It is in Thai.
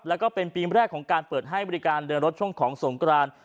แล้วก็เป็นปีแรกของการเปิดให้บริการเดินรถช่วงของสงกราน